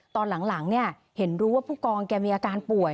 ตอนหลังเห็นรู้ว่าผู้กองแกมีอาการป่วย